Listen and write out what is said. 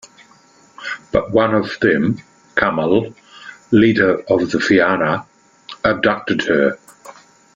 But one of them, Cumhal, leader of the fianna, abducted her.